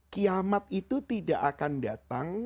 kiamat itu tidak akan datang